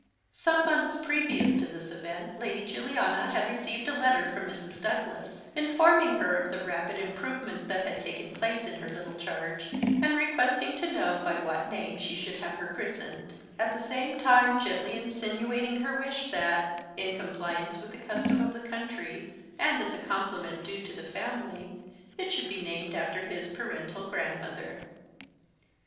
Some months previous to this event Lady Juliana had received a letter from Mrs. Douglas, informing her of the rapid improvement that had taken place in her little charge, and requesting to know by what name she should have her christened; at the same time gently insinuating her wish that, in compliance with the custom of the country, and as a compliment due to the family, it should be named after his paternal grandmother.